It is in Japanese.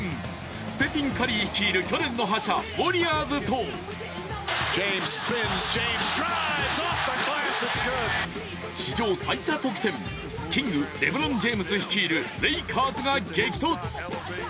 ステフィン・カリー率いる去年の覇者、ウォリアーズと史上最多得点、キング、レブロン・ジェームズ率いるレイカーズが激突。